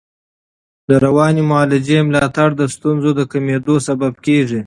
د رواني معالجې ملاتړ د ستونزو د کمېدو سبب کېږي.